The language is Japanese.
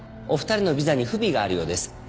お二人のビザに不備があるようです。